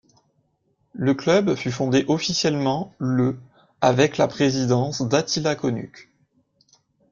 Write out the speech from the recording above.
Le club fut fondé officiellement le avec la présidence d'Atilla Konuk.